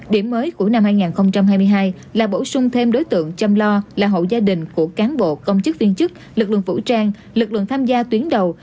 điểm mới của năm hai nghìn hai mươi hai là bổ sung thêm đối tượng chăm lo là hậu gia đình của cán bộ công chức viên chức lực lượng vũ trang lực lượng tham gia tuyến đầu